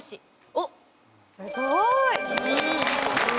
おっすごい。